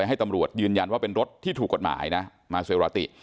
ให้ตำรวจยืนยันว่าเป็นรถที่ถูกกฎหมายนะมาเซราติ